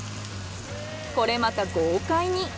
これまた豪快に。